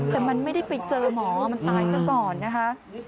แต่มันไม่ได้ไปเจอหมอมันตายซะก่อนนะคะ